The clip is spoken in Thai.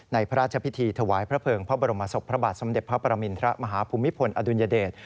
พระราชพิธีถวายพระเภิงพระบรมศพพระบาทสมเด็จพระปรมินทรมาฮภูมิพลอดุลยเดช